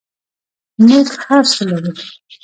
موږ هر څه لرو؟